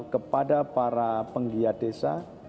kepada para penggiat desa